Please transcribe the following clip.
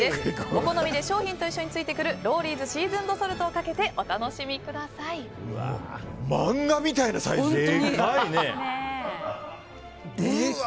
お好みで商品と一緒についてくるロウリーズ・シーズンド・ソルトをかけて漫画みたいなサイズ。